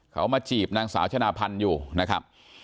เขามาจีบนางสาวชนะพันธ์อยู่นะครับ